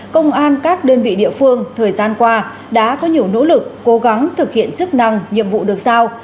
công an các đơn vị địa phương thời gian qua đã có nhiều nỗ lực cố gắng thực hiện chức năng nhiệm vụ được sao